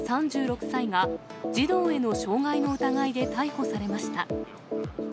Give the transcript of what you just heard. ３６歳が、児童への傷害の疑いで逮捕されました。